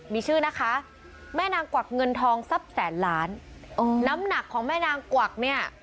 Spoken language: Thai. มีชื่อนะคะแม่นางกวักเงินทองทรัพย์แสนล้านน้ำหนักของแม่นางกวักเนี่ย